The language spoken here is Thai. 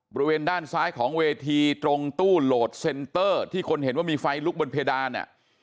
บริเวณด้านซ้ายของเวทีตรงตู้โหลดเซ็นเตอร์ที่คนเห็นว่ามีไฟลุกบนเพดานเนี่ย